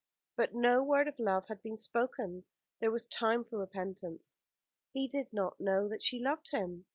But no word of love had been spoken. There was time for repentance. He did not know that she loved him.